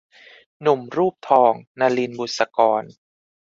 หนุ่มรูปทอง - นลิน บุษกร